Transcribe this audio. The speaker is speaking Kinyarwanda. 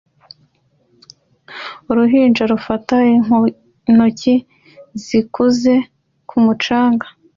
Uruhinja rufata intoki zikuze ku mucanga